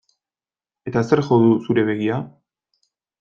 Eta zerk jo du zure begia?